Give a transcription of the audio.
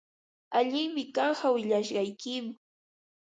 Allinmi kanqa willashqaykim.